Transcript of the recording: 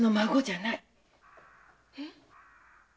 えっ？